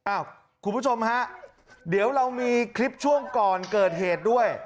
คุณผู้ชมฮะเดี๋ยวเรามีคลิปช่วงก่อนเกิดเหตุด้วย